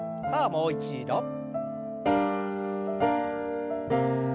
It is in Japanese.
さあもう一度。